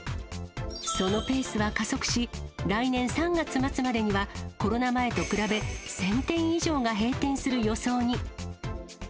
そのペースは加速し、来年３月末までには、コロナ前と比べ、１０００店以上が閉店する予想に。